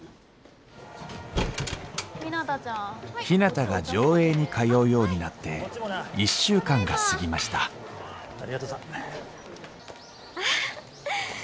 ひなたが条映に通うようになって１週間が過ぎましたありがとさん。